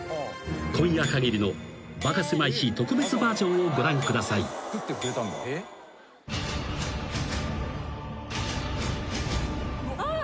［今夜かぎりの『バカせまい史』特別バージョンをご覧ください］あっ！